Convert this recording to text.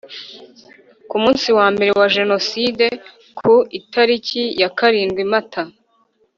Ku munsi wa mbere wa jenoside ku itariki ya karindwi Mata